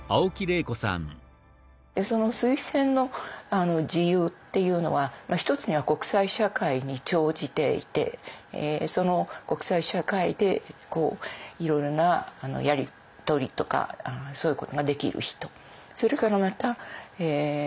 その推薦の理由っていうのは一つには国際社会に長じていてその国際社会でいろいろなやり取りとかそういうことができる人。